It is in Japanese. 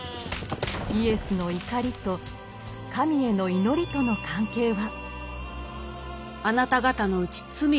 イエスの怒りと神への「祈り」との関係は？